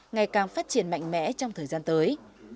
ngày càng phát triển mạnh mẽ trong thời gian tới